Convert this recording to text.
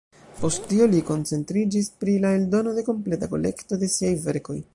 Post tio li koncentriĝis pri la eldono de kompleta kolekto de siaj verkoj.